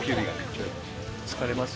疲れます。